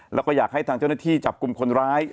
แล้วก็อยากให้ทางเจ้าหน้าที่จับกลุ่มคนร้าย